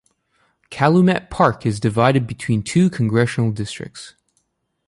Calumet Park is divided between two congressional districts.